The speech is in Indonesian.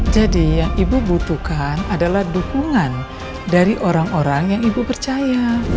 jadi yang ibu butuhkan adalah dukungan dari orang orang yang ibu percaya